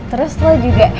terus lo juga